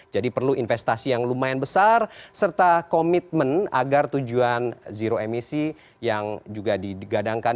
jadi perlu investasi yang lumayan besar serta komitmen agar tujuan zero emisi yang juga digadangkan